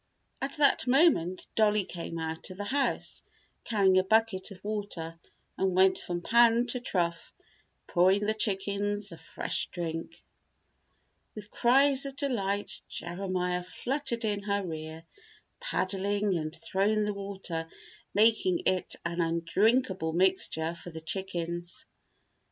At that moment Dollie came out of the house carrying a bucket of water and went from pan to trough, pouring the chickens a fresh drink. With cries of delight, Jeremiah fluttered in her rear, paddling and throwing the water, making it an undrinkable mixture for the chickens.